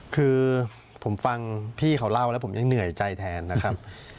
คือผมฟังพี่เขาเล่าแล้วผมยังเหนื่อยใจแทนนะครับ